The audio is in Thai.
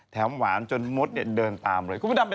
เธอบ้านหรอคุณต้องไปอย่ามาสิ